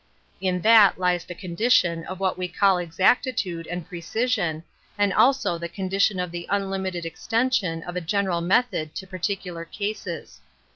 In that lies the con dition of what we call exactitude and pre cision, and also the condition of the unlimited extension of a general method to particular cases.